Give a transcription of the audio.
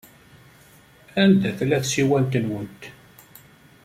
Anda tella tsiwant-nwent?